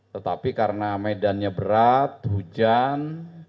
tetapi karena medannya berat hujan